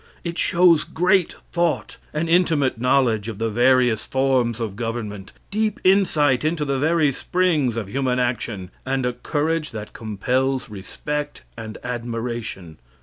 It shows great thought, an intimate knowledge of the various forms of government, deep insight into the very springs of human action, and a courage that compels respect and admiration.